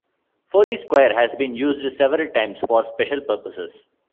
Foley Square has been used several times for special purposes.